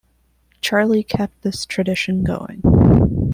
Charlie kept this tradition going.